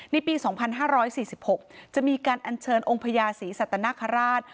ในปี๒๕๔๖จะมีการอัญเชิญองค์พญาศรีสัตนคราช